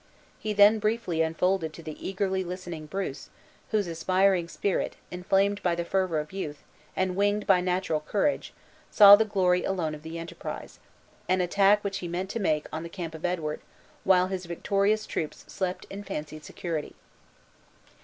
He then briefly unfolded to the eagerly listening Bruce (whose aspiring spirit, inflamed by the fervor of youth, and winged by natural courage, saw the glory alone of the enterprise), an attack which he meant to make on the camp of Edward, while his victorious troops slept in fancied security.